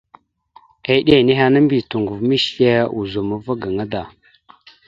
Eɗe nehe ana mbiyez toŋgov mishe ozum ava gaŋa da.